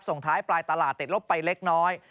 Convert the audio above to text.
ส่งท้ายปลายตลาดติดลบไปเล็กน้อย